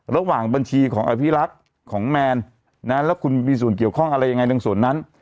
บัญชีของอภิรักษ์ของแมนแล้วคุณมีส่วนเกี่ยวข้องอะไรยังไงในส่วนนั้น